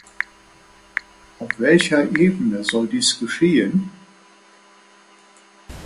Auf welche Ebene soll dies geschehen?